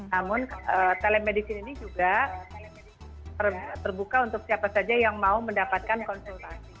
namun telemedicine ini juga terbuka untuk siapa saja yang mau mendapatkan konsultasi